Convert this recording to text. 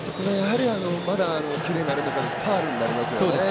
まだキレがあるのかファウルになりますよね。